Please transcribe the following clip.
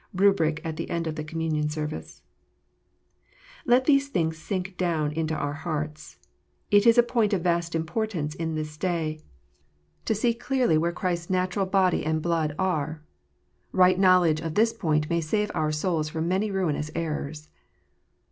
Rubric at the end of the Communion Service. Let these things sink down into our hearts. It is a point of vast importance in this day, to see clearly where Christ s natural THE PRIEST. 245 body and blood are. Right knowledge of this point may save our souls from many ruinous errors.